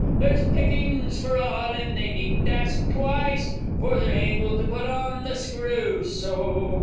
There's pickings for all, and they needn't ask twice, For they're able to put on the screw so!